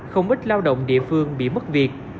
không ít lao động địa phương bị mất việc